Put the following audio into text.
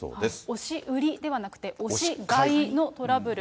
押し売りではなく、押し買いのトラブル。